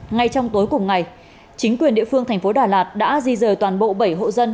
ngay trong tối cùng ngày chính quyền địa phương thành phố đà lạt đã di rời toàn bộ bảy hộ dân